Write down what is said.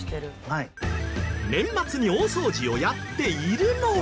年末に大掃除をやっているのは。